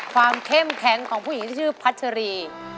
เข้มแข็งของผู้หญิงที่ชื่อพัชรี